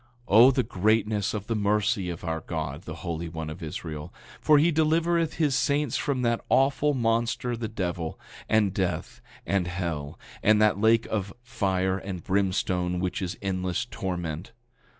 9:19 O the greatness of the mercy of our God, the Holy One of Israel! For he delivereth his saints from that awful monster the devil, and death, and hell, and that lake of fire and brimstone, which is endless torment.